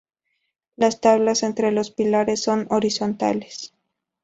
Las tablas entre los pilares son horizontales.